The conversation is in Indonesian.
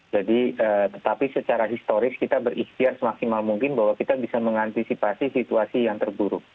jadi tetapi secara historis kita beristirahat semaksimal mungkin bahwa kita bisa mengantisipasi situasi yang terburuk